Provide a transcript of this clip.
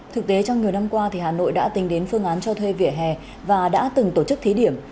thực tế trong nhiều năm qua hà nội đã tính đến phương án cho thuê vỉa hè và đã từng tổ chức thí điểm